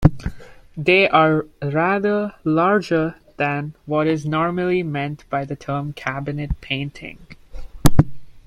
They are rather larger than what is normally meant by the term cabinet painting.